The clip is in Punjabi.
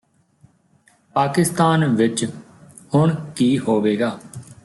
ਪਾਕਿਸਤਾਨ ਵਿਚ ਹੁਣ ਕੀ ਹੋਵੇਗਾ